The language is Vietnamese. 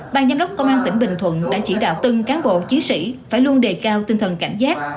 ban giám đốc công an tỉnh bình thuận đã chỉ đạo từng cán bộ chiến sĩ phải luôn đề cao tinh thần cảnh giác